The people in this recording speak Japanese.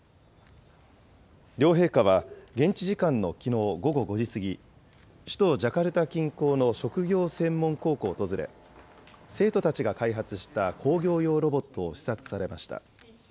両陛下は、現地時間のきのう午後５時過ぎ、首都ジャカルタ近郊の職業専門高校を訪れ、生徒たちが開発した工業用ロボットを視察されました。